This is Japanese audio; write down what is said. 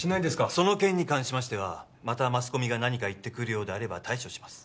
その件に関しましてはまたマスコミが何か言ってくるようであれば対処します